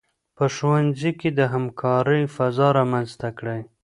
په ښوونځي کې د همکارۍ فضا رامنځته کړئ.